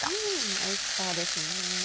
おいしそうですね。